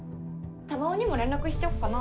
珠緒にも連絡しちゃおっかな。